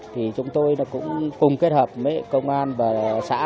thì chúng tôi cũng cùng kết hợp với công an và xã